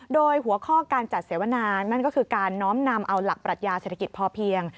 โดยหัวข้อการจัดเสวนานั่นก็คือการน้อมนำเอาหลักปรัชญาเศรษฐกิจพอเพียง